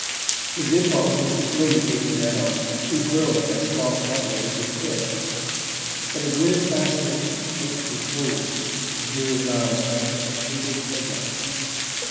His impulse was to fling the paper down, to hurl it as far from him as he could; but a grim fascination tightened his hold and drew his eyes back to the hated head line.